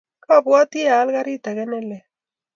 Kwabwati aal karit age nelel.